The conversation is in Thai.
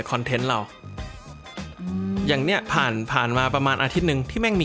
เทนต์เราอืมอย่างเนี้ยผ่านผ่านมาประมาณอาทิตย์หนึ่งที่แม่งมี